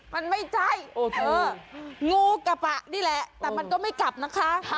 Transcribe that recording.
มันไม่ใช่งูกับปะนี่แหละแต่มันก็ไม่กลับนะคะ